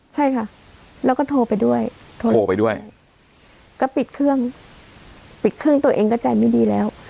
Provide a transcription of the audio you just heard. ใช่ค่ะแล้วก็โทรไปด้วยโทรไปด้วยก็ปิดเครื่องปิดเครื่องตัวเองก็ใจไม่ดีแล้ว